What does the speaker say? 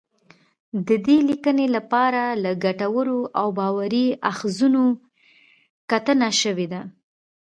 د دې لیکنی لپاره له ګټورو او باوري اخځونو ګټنه شوې ده